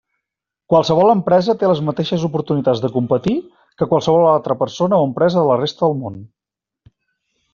Qualsevol empresa té les mateixes oportunitats de competir que qualsevol altra persona o empresa de la resta del món.